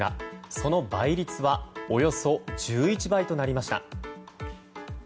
その倍率はおよそ１１倍となりました。